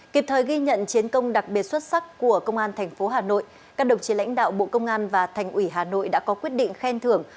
kịp thời ghi nhận chiến công đặc biệt xuất sắc của công an tp hà nội các đồng chí lãnh đạo bộ công an và thành ủy hà nội đã có quyết định khen thưởng